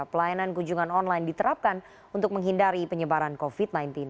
pelayanan kunjungan online diterapkan untuk menghindari penyebaran covid sembilan belas